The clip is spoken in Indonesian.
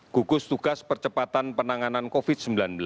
gugus tugas percepatan penanganan covid sembilan belas